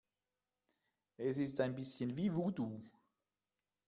Es ist ein bisschen wie Voodoo.